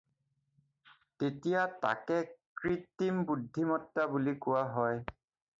তেতিয়া তাকে কৃত্ৰিম বুদ্ধিমত্তা বুলি কোৱা হয়।